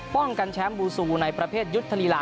ป้องกันแชมป์บูซูในประเภทยุทธรีลา